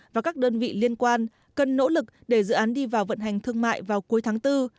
và các đơn vị liên quan cần nỗ lực để dự án đi vào vận hành thương mại vào cuối tháng bốn